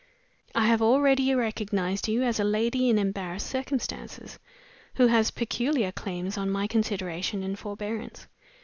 "I have already recognized you as a lady in embarrassed circumstances, who has peculiar claims on my consideration and forbearance.